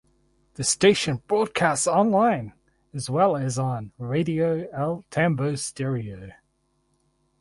The station broadcasts online as well as on Radio El Tambo Stereo.